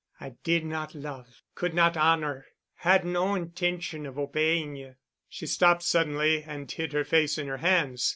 I did not love, could not honor, had no intention of obeying you...." She stopped suddenly, and hid her face in her hands.